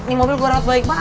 ini mobil gua rata baik baik